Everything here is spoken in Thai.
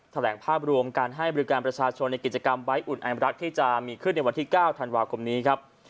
แถลงภาพรวมการให้บริการประชาชนในกิจกรรมใบ้อุ่นไอมรักที่จะมีขึ้นในวันที่๙ธันวาคมนี้ครับ